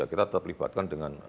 kita terlibatkan dengan